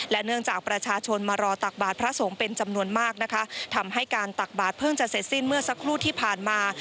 เนื่องจากประชาชนมารอตักบาทพระสงฆ์เป็นจำนวนมากนะคะทำให้การตักบาทเพิ่งจะเสร็จสิ้นเมื่อสักครู่ที่ผ่านมา